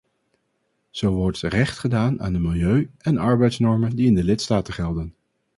Zo wordt recht gedaan aan de milieu- en arbeidsnormen die in de lidstaten gelden.